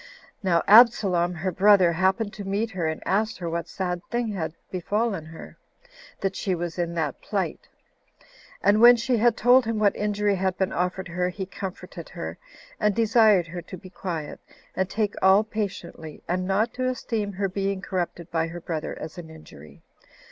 Now Absalom, her brother, happened to meet her, and asked her what sad thing had befallen her, that she was in that plight; and when she had told him what injury had been offered her, he comforted her, and desired her to be quiet, and take all patiently, and not to esteem her being corrupted by her brother as an injury.